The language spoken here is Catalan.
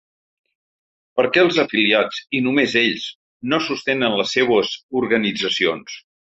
Per què els afiliats, i només ells, no sostenen les seues organitzacions?